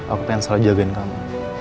aku pengen selalu jagain kamu